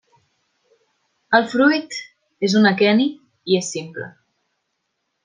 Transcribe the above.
El fruit és un aqueni i és simple.